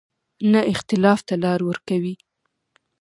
نه اختلاف ته لار ورکوي.